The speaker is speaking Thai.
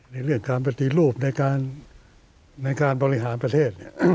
เรื่องการปฏิรูปในการบริหารประเทศ